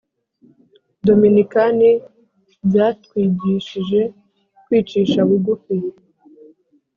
Dominikani byatwigishije kwicisha bugufi.